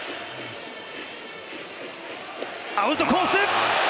アウトコース！